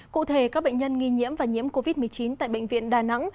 cụ thể các bệnh nhân nghi nhiễm và nhiễm covid một mươi chín tại bệnh viện đà nẵng